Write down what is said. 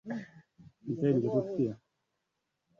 Alikuta daftari dogo lenye jarada la kaki akafungua kisha kusoma